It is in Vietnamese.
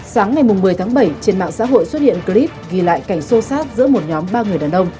sáng ngày một mươi tháng bảy trên mạng xã hội xuất hiện clip ghi lại cảnh sô sát giữa một nhóm ba người đàn ông